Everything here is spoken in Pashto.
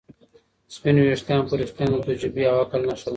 سپین ويښتان په رښتیا هم د تجربې او عقل نښه ده.